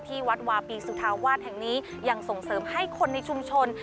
ที่วัดวาปีสุธาวาสแห่งนี้ยังส่งเสริมให้คนในชุมชน